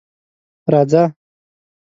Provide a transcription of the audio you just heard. _راځه.